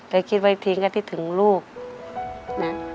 แล้วคิดไว้ทิ้งกับที่ถึงลูกน่ะ